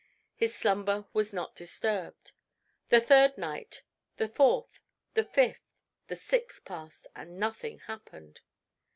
His slumber was not disturbed. The third night, the fourth, the fifth, the sixth passed, and nothing happened.